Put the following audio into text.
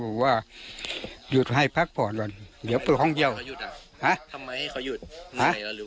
หรือว่ายังไงหยุดตรงไหน